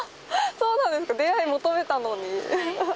そうなんですか、出会い、求めたのに？